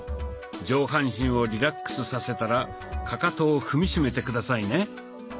上半身をリラックスさせたらかかとを踏みしめて下さいね。